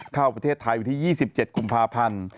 เข้าประเทศไทยวันที่๒๗กุมภาพันธ์